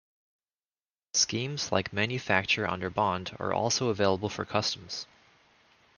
Schemes like manufacture under bond are also available for customs.